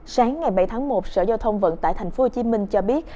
sáng ngày bảy tháng một sở giao thông vận tải tp hcm cho biết